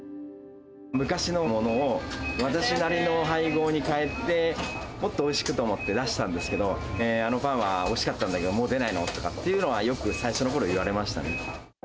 昔のものを、私なりの配合に変えて、もっとおいしくと思って出したんですけど、あのパンはおいしかったけど、もう出ないのとかっていうのは、よく最初のころ、言われましたね。